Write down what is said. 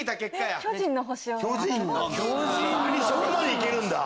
そこまで行けるんだ。